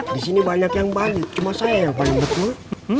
disini banyak yang banyak cuma saya yang paling betul